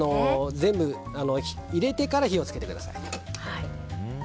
全部入れてから火を付けてください。